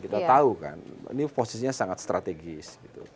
ini posisinya sangat strategis